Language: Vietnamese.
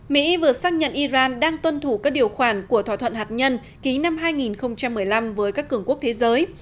mỹ vừa xác nhận iran đang tuân thủ các điều khoản của thỏa thuận hạt nhân ký năm hai nghìn một mươi năm với các cường quốc thế giới